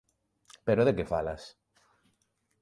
Pero de que falas?